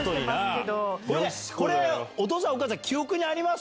これ、お父さん、お母さん、記憶にあります？